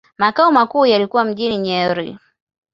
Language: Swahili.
Makao makuu yalikuwa mjini Nyeri.